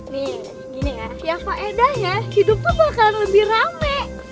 nih gini ya ya faedahnya hidup tuh bakalan lebih rame